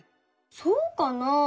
そうかな？